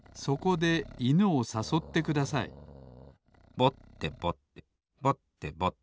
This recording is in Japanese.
ぼってぼってぼってぼって。